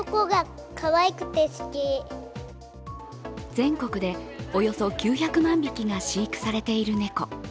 全国でおよそ９００万匹が飼育されている猫。